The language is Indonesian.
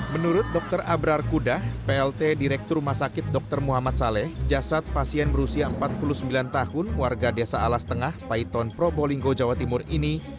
menurut dokter abrar kudah plt direktur rumah sakit dr muhammad saleh jasad pasien berusia empat puluh sembilan tahun warga desa alas tengah paiton probolinggo jawa timur ini